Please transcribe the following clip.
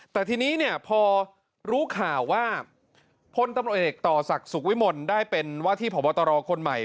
แต่ทีนี้เนี่ยพอรู้ข่าวว่าพลตำรวจเอกต่อศักดิ์สุขวิมลได้เป็นว่าที่พบตรคนใหม่